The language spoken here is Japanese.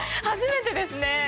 初めてですね。